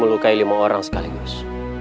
melukai lima orang sekaligus